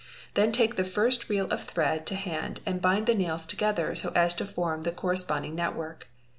Then take the first reel of thread tc hand and bind the nails together so as to form the corresponding net work.